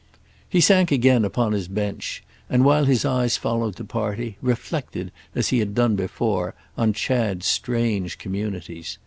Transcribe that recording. He sank again upon his bench and, while his eyes followed the party, reflected, as he had done before, on Chad's strange communities.